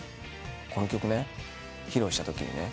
「この曲ね披露したときにね